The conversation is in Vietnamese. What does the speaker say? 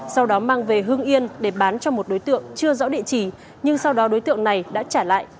sau đó mang về hương yên để bán cho một đối tượng chưa rõ địa chỉ nhưng sau đó đối tượng này đã trả lại